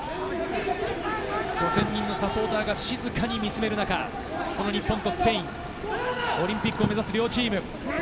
５０００人のサポーターが静かに見つめる中、日本とスペイン、オリンピックを目指す両チーム。